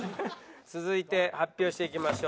続いて発表していきましょう。